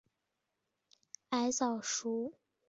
矮早熟禾为禾本科早熟禾属下的一个种。